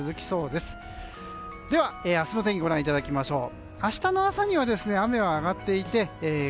では、明日の天気ご覧いただきましょう。